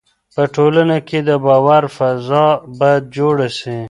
په ټولنه کي د باور فضا باید جوړه سي.